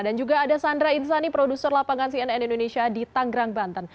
dan juga ada sandra insani produser lapangan cnn indonesia di tanggrang banten